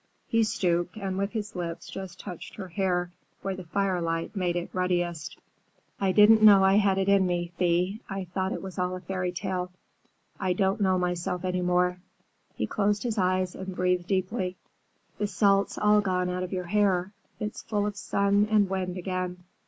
He stooped, and with his lips just touched her hair where the firelight made it ruddiest. "I didn't know I had it in me, Thea. I thought it was all a fairy tale. I don't know myself any more." He closed his eyes and breathed deeply. "The salt's all gone out of your hair. It's full of sun and wind again.